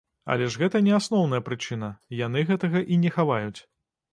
Але ж гэта не асноўная прычына, яны гэтага і не хаваюць.